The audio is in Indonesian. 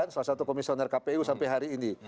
salah satu komisioner kpu sampai hari ini